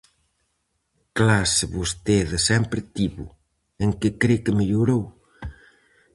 Clase vostede sempre tivo: en que cre que mellorou?